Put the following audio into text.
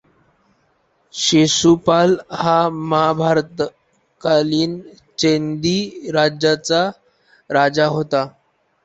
शिशुपाल हा महाभारतकालीन चेदी राज्याचा राजा होता.